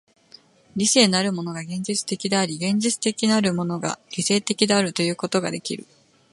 理性的なるものが現実的であり、現実的なるものが理性的であるということができる。